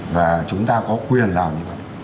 và chúng ta có quyền làm như vậy